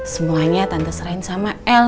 semuanya tante serain sama el